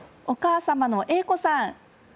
お母様の栄子さん。